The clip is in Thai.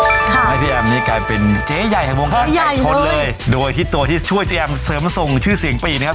ทำให้พี่แอมนี่กลายเป็นเจ๊ใหญ่แห่งวงการไก่ชนเลยโดยที่ตัวที่ช่วยเจ๊แอมเสริมส่งชื่อเสียงปีกนะครับ